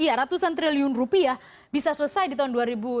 iya ratusan triliun rupiah bisa selesai di tahun dua ribu dua puluh